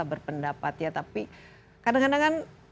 berpendapat ya tapi kadang kadang kan